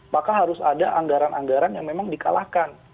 maka harus ada anggaran anggaran yang memang dikalahkan